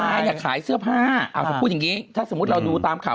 เนี่ยขายเสื้อผ้าพูดอย่างนี้ถ้าสมมุติเราดูตามข่าว